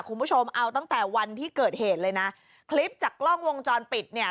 คุณผู้ชมเอาตั้งแต่วันที่เกิดเหตุเลยนะคลิปจากกล้องวงจรปิดเนี่ย